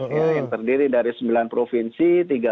ya yang terdiri dari sembilan provinsi